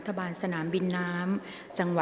กรรมการท่านที่สามได้แก่กรรมการใหม่เลขหนึ่งค่ะ